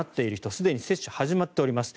すでに接種は始まっております。